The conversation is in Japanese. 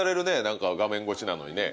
何か画面越しなのにね。